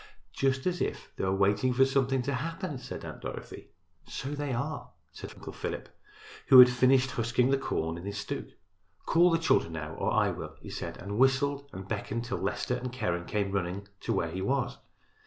"Just as if they were waiting for something to happen," said Aunt Dorothy. "So they are," said Uncle Philip, who had finished husking the corn in his stook. "Call the children now; or I will," he said, and whistled and beckoned till Leicester and Keren came running to where he was.